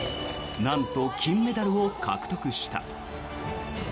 なんと、金メダルを獲得した。